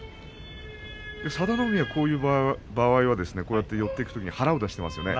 佐田の海は、こういう場合は寄っていくときに腹を出していますよね。